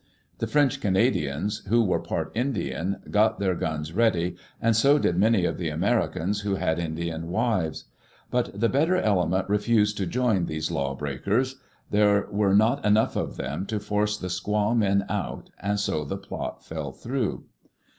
The French Canadians, who were part Indian, got their guns ready, and so did many of the Americans who had Indian wives. But the better element refused to join these law breakers; there were not enough of them to Digitized by Google WHO OWNED THE *' OREGON COUNTRY"? force the "squaw men" out, and so the plot fell through.